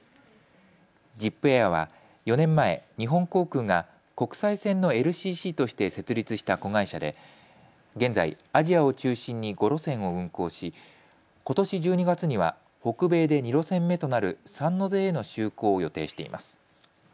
ジップエアは４年前、日本航空が国際線のＬＣＣとして設立した子会社で現在、アジアを中心に５路線を運航しことし１２月には北米で２路線目となるサンノゼへの就航を予定しています。